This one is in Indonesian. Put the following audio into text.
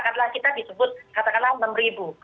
karena kita disebut katakanlah enam ribu